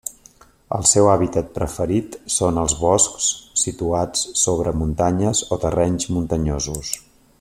El seu hàbitat preferit són els boscs situats sobre muntanyes o terrenys muntanyosos.